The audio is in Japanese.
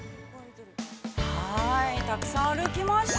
◆たくさん歩きました。